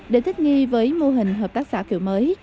để thích nghi với mô hình hợp tác xã kiểu mới